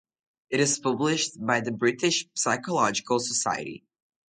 It is published by The British Psychological Society.